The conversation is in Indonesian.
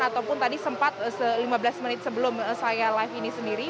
ataupun tadi sempat lima belas menit sebelum saya live ini sendiri